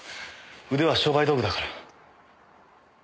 腕は商売道具だから。